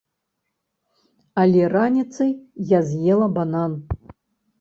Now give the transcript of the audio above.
Але раніцай я з'ела банан.